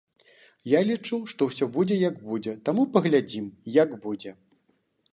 Я лічу, што ўсё будзе як будзе, таму паглядзім, як будзе.